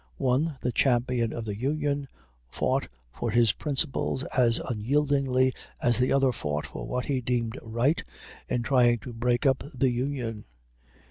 One, the champion of the Union, fought for his principles as unyieldingly as the other fought for what he deemed right in trying to break up the Union.